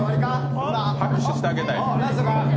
拍手してあげたい。